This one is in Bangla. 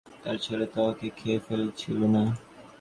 তার ছেলে তো ওকে খেয়ে ফেলছিল না।